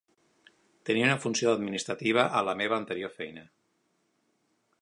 Tenia una funció administrativa a la meva anterior feina.